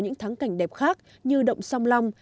những tháng cảnh đẹp khác như động song lòng